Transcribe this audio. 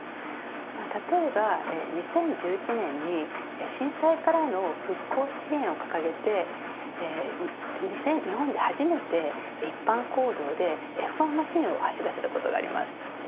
例えば２０１１年に震災からの復興支援を掲げて日本で初めて、一般公道でＦ１マシンを走らせたことがあります。